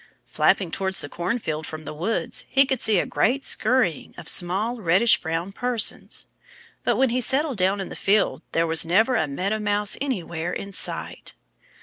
Flapping towards the cornfield from the woods he could see a great scurrying of small, reddish brown persons. But when he settled down in the field there was never a Meadow Mouse anywhere in sight.